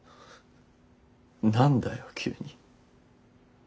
何だよ急に。